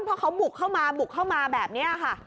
เพราะเขาบุกเข้ามาบุกเข้ามาแบบนี้ค่ะ